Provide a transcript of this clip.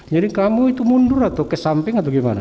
jadi kamu itu mundur ke samping atau di mana